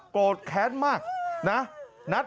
โกรธแค้นมากนะ